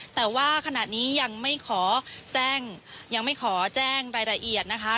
แต่ว่าขนาดนี้ยังไม่ขอแจ้งรายละเอียดนะคะ